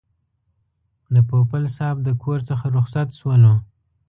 د پوپل صاحب د کور څخه رخصت شولو.